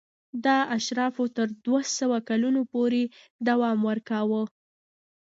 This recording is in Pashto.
دا اشرافو تر دوه سوه کلونو پورې دوام ورکاوه.